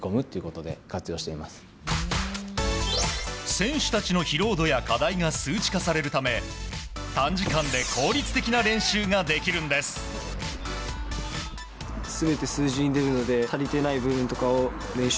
選手たちの疲労度や課題が数値化されるため短時間で効率的な練習ができるんです。